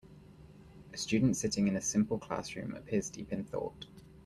A student sitting in a simple classroom appears deep in thought.